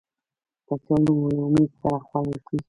کچالو له امید سره خوړل کېږي